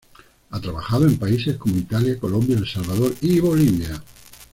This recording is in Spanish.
Ha trabajado en países como Italia, Colombia, El Salvador y Bolivia.